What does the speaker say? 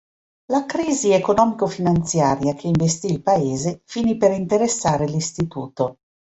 La crisi economico-finanziaria che investì il Paese finì per interessare l'istituto.